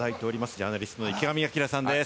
ジャーナリストの池上彰さんです。